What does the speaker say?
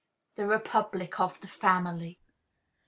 The Republic of the Family.